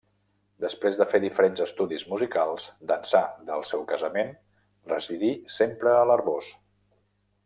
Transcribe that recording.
Després de fer diferents estudis musicals, d'ençà del seu casament residí sempre a l'Arboç.